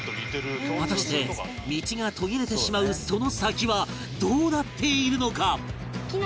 果たして道が途切れてしまうその先はどうなっているのか？